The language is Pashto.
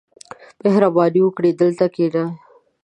• مهرباني وکړه، دلته کښېنه.